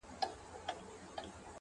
نورو ته مي شا کړې ده تاته مخامخ یمه،